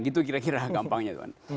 gitu kira kira gampangnya